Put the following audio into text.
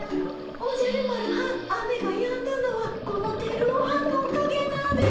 おじゃる丸はん雨がやんだのはこのテルオはんのおかげなんです。